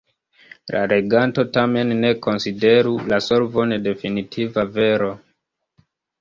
La leganto tamen ne konsideru la solvon definitiva vero.